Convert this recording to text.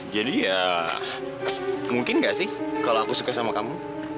jadi ya mungkin gak sih kalau aku suka sama kamu